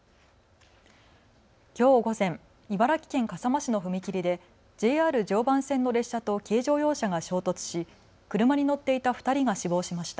きょう午前、茨城県笠間市の踏切でＪＲ常磐線の列車と軽乗用車が衝突し車に乗っていた２人が死亡しました。